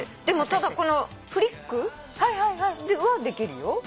でもただこのフリック？はできるよ。